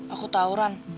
aku tau ran